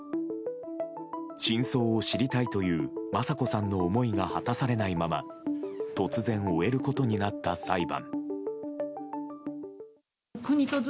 真相を知りたいという雅子さんの思いが果たされないまま突然、終えることになった裁判。